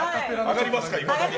上がります。